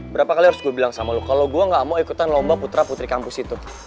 berapa kali harus gue bilang sama lo kalau gue gak mau ikutan lomba putra putri kampus itu